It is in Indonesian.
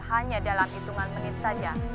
hanya dalam hitungan menit saja